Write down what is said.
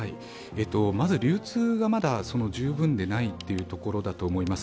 まず流通がまだ十分でないというところだと思います。